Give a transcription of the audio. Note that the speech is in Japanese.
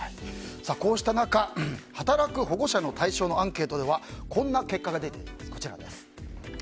こうした中、働く保護者の対象のアンケートではこんな結果が出ています。